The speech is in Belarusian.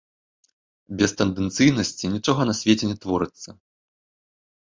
Без тэндэнцыйнасці нічога на свеце не творыцца.